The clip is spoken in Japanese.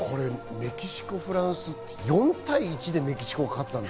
メキシコ、フランス、４対１でメキシコが勝った。